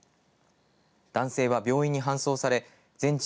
男性は病院に搬送され全治